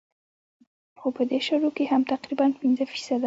خو پۀ دې شلو کښې هم تقريباً پنځه فيصده